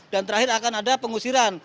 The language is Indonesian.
dan terakhir akan ada pengusiran